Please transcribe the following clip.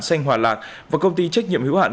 xanh hòa lạc và công ty trách nhiệm hữu hạn